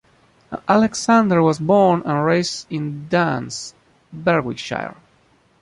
Alexander was born and raised in Duns, Berwickshire.